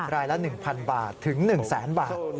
รายละ๑๐๐๐บาทถึง๑แสนบาท